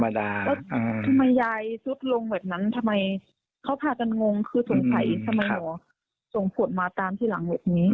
ทำไมเขาพากันงงคือสงสัยถ้าไม่เหมาะส่งผลมาตามที่หลังเหตุนี้